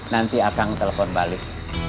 nanti akang telepon balik